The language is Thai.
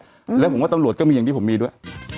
อืมแล้วผมว่าตำรวจก็มีอย่างที่ผมมีด้วย